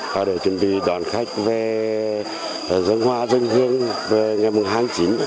và để chuẩn bị đoàn khách về dân hoa dân hương về ngày mùng hai tháng chín